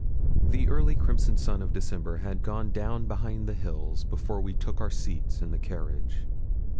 The early crimson sun of December had gone down behind the hills before we took our seats in the carriage.